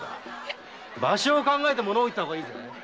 場所を考えてものを言った方がいいぜ！